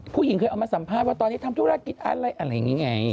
ผู้หญิงเคยเอามาสัมภาษณ์ว่าตอนนี้ทำธุรกิจอะไรอะไรอย่างนี้ไง